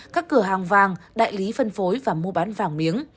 các cửa hàng vàng đại lý phân phối và mua bán vàng miếng